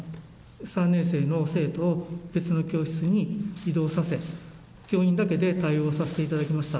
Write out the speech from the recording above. ３年生の生徒を別の教室に移動させ、教員だけで対応させていただきました。